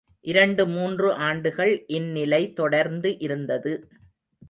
இரண்டு மூன்று ஆண்டுகள் இந்நிலை தொடர்ந்து இருந்தது.